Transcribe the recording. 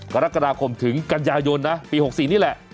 กรกฎาคมถึงกันยายนนะปี๖๔นี่แหละ